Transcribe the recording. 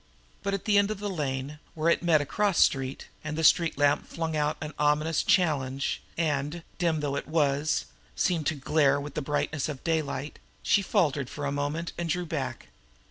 But at the end of the lane, where it met a cross street, and the street lamp flung out an ominous challenge, and, dim though it was, seemed to glare with the brightness of daylight, she faltered for a moment and drew back.